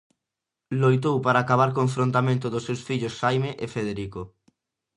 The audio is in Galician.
Loitou para acabar co enfrontamento dos seus fillos Xaime e Federico.